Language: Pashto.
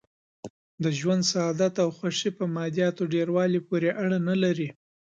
د ژوند سعادت او خوښي په مادیاتو ډېر والي پورې اړه نه لري.